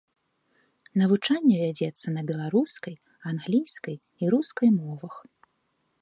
Навучанне вядзецца на беларускай, англійскай і рускай мовах.